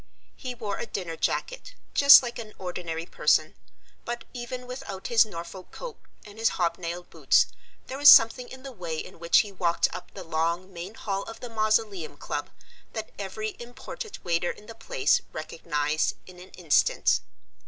He wore a dinner jacket, just like an ordinary person, but even without his Norfolk coat and his hobnailed boots there was something in the way in which he walked up the long main hall of the Mausoleum Club that every imported waiter in the place recognized in an instant.